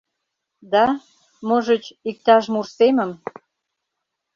Да, можыч, иктаж мурсемым